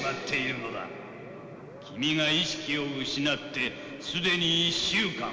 君が意識を失って既に１週間。